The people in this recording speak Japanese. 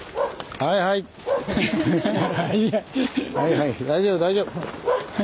はいはい大丈夫大丈夫。